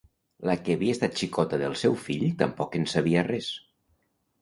La que havia estat xicota del seu fill tampoc en sabia res.